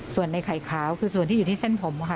ส่วนในไข่ขาวคือส่วนที่อยู่ที่เส้นผมค่ะ